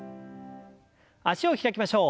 脚を開きましょう。